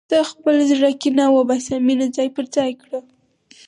د خپل زړه کینه وباسه، مینه ځای پر ځای کړه.